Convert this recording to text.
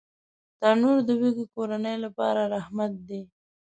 تنور د وږې کورنۍ لپاره رحمت دی